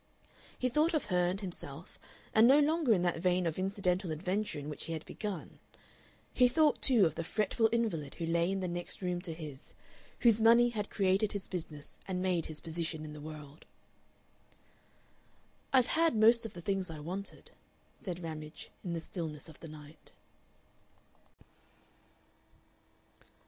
He thought of her and himself, and no longer in that vein of incidental adventure in which he had begun. He thought, too, of the fretful invalid who lay in the next room to his, whose money had created his business and made his position in the world. "I've had most of the things I wanted," said Ramage, in the stillness of the night.